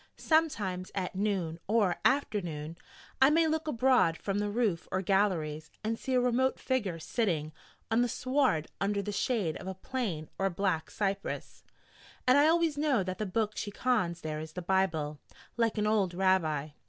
Sometimes, at noon or afternoon, I may look abroad from the roof or galleries, and see a remote figure sitting on the sward under the shade of plane or black cypress: and I always know that the book she cons there is the Bible like an old Rabbi.